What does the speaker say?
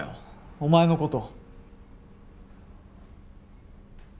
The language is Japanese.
お前のこと。